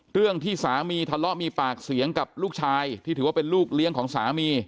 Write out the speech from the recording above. เรื่องที่สามีทะเลาะมีปากเสียงกับลูกชายที่ถือว่าเป็นลูกเลี้ยงของสามี